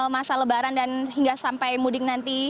masa lebaran dan hingga sampai mudik nanti